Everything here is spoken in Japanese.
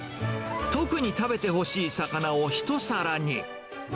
特に食べてほしい魚を一皿に。